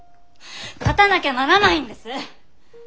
勝たなきゃならないんです！